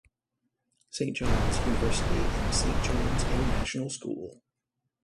Saint John's University and Saint John's International School.